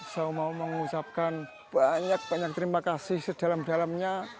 saya mau mengucapkan banyak banyak terima kasih sedalam dalamnya